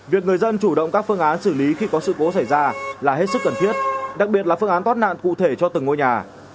việc người dân chủ động các phương án xử lý khi có sự cố xảy ra là hết sức cần thiết đặc biệt là phương án thoát nạn cụ thể cho từng ngôi nhà